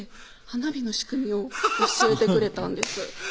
花火の仕組みを教えてくれたんです